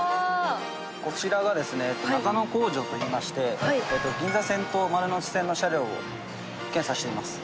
こちらがですね中野工場といいまして銀座線と丸ノ内線の車両を検査しています。